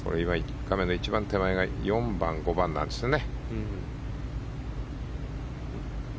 画面の一番手前が４番、５番なんですよね。